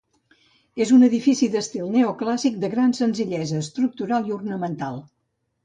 És un edifici d'estil neoclàssic de gran senzillesa estructural i ornamental.